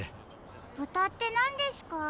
豚ってなんですか？